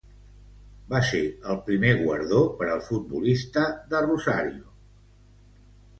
Va ser el primer guardó per al futbolista de Rosario.